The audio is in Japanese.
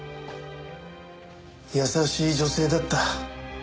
優しい女性だった。